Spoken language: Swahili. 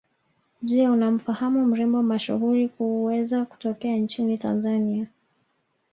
Je unamfahamu mrembo mashuhuri kuweza kutokea nchini Tanzania